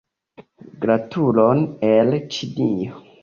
Gratulon el Ĉinio!